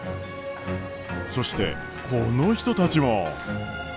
そしてこの人たちも。